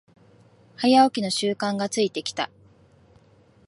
早起きの習慣がついてきた